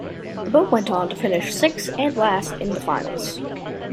The boat went on to finish sixth and last in the finals.